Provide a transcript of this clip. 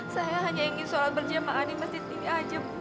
saya hanya ingin sholat berjemaah di masjid ini aja